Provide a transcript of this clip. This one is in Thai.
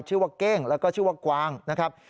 ชื่อว่าเก้งแล้วก็ชื่อว่ากวางนะครับ